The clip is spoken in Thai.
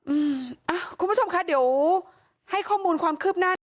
อืมอ่ะคุณผู้ชมคะเดี๋ยวให้ข้อมูลความคืบหน้า